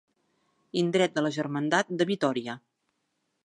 Indret de la Germandat de Vitòria.